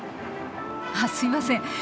ああすいません